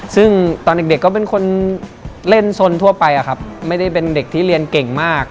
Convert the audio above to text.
ซึ่งตอนเด็กก็เป็นคนเล่นสนทั่วไปอะครับไม่ได้เป็นเด็กที่เรียนเก่งมาก